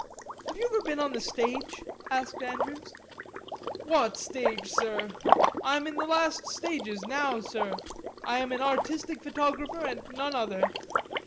"Have you ever been on the stage?" asked Andrews. "What stage, sir? I'm in the last stages now, sir.... I am an artistic photographer and none other....